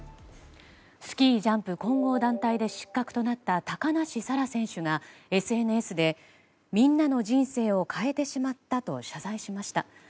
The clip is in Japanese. スキージャンプ混合団体で失格となった高梨沙羅選手がＳＮＳでみんなの人生を変えてしまったと謝罪しました。